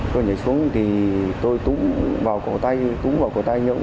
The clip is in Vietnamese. tôi nhảy xuống thì tôi túng vào cổ tay túng vào cổ tay